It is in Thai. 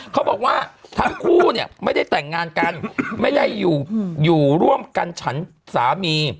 เขาบอกว่าทั้งคู่เนี่ยไม่ได้แต่งงานกันไม่ได้อยู่ร่วมกันฉันสามี